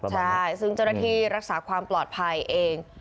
ใช่ซึ่งเจ้าหน้าที่รักษาความปลอดภัยเอง